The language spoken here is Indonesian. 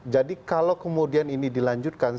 jadi kalau kemudian ini dilanjutkan